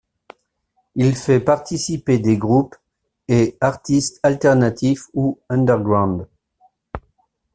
Il fait participer des groupes et artistes alternatifs ou underground.